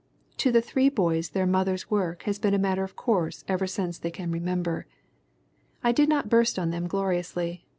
To the three boys their mother's work has been a matter of course ever since they can remember. "I did not burst on them gloriously.